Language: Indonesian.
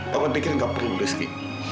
papa pikir gak perlu rizky